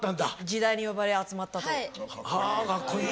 時代に呼ばれ集まったと。はかっこいい。